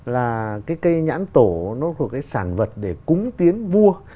là cái cây nhãn tổ nó là một cái sản vật để cúng tiến vua